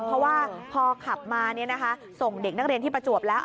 เพราะว่าพอขับมาส่งเด็กนักเรียนที่ประจวบแล้ว